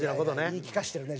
言い聞かしてるね